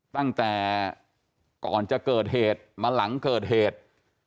ตั้งแต่ก่อนจะเกิดเหตุมาหลังเกิดเหตุ